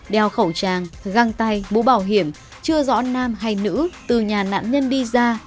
đeo khẩu trang găng tay mũ bảo hiểm chưa rõ nam hay nữ từ nhà nạn nhân đi ra